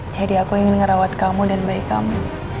jadi aku ingin ngerawat kamu dan bayi kamu